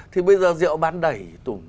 thì bây giờ rượu bán đẩy